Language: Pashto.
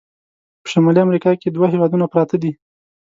په شمالي امریکا کې دوه هیوادونه پراته دي.